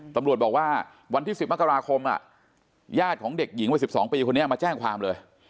ตำรวจบอกว่าวันที่๑๐มกราคมญาติของเด็กหญิงวัย๑๒ปีคนนี้มาแจ้งความเลย